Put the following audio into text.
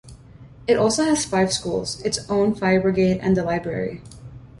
It also has five schools, its own fire brigade, and a library.